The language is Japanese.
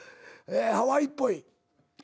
ハワイっぽい。